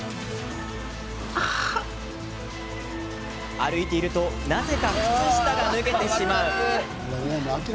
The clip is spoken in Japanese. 歩いているとなぜか靴下が脱げてしまう。